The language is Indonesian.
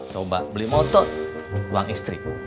coba beli motor uang istriku